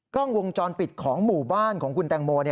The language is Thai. กล้องวงจรปิดของหมู่บ้านของคุณแตงโม